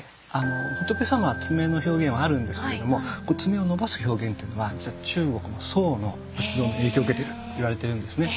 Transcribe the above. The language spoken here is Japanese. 仏様は爪の表現はあるんですけれども爪を伸ばす表現っていうのは実は中国の宋の仏像の影響を受けてるといわれてるんですね。